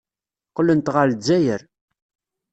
Qqlent ɣer Lezzayer.